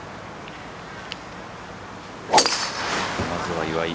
まずは岩井。